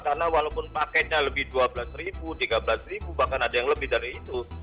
karena walaupun paketnya lebih dua belas ribu tiga belas ribu bahkan ada yang lebih dari itu